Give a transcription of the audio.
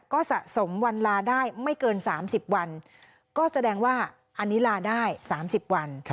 ก็สะสมวันลาได้ไม่เกิน๓๐วันก็แสดงว่าอันนี้ลาได้๓๐วัน